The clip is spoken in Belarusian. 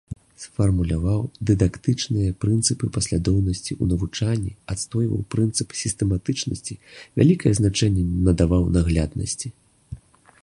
Сфармуляваў дыдактычныя прынцыпы паслядоўнасці ў навучанні, адстойваў прынцып сістэматычнасці, вялікае значэнне надаваў нагляднасці.